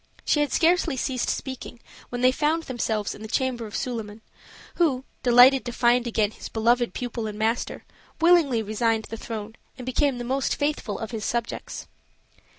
She had scarcely ceased speaking when they found themselves in the chamber of Suliman, who, delighted to find again his beloved pupil and master, willingly resigned the throne, and became the most faithful of his subjects.